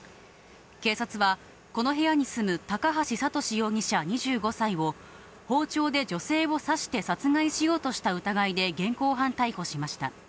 警察は、この部屋に住む高橋智容疑者２５歳を、包丁で女性を刺して殺害しようとした疑いで現行犯逮捕しました。